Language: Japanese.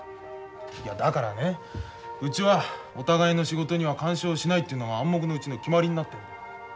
いやだからねうちはお互いの仕事には干渉しないというのが暗黙のうちの決まりになってるんだ。